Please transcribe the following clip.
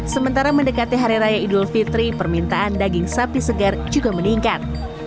sementara mendekati hari raya idul fitri permintaan daging sapi segar juga meningkat